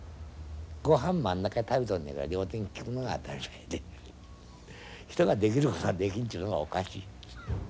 ごはん真ん中で食べとんじゃから両手がきくのが当たり前で人ができることができんちゅうのがおかしい。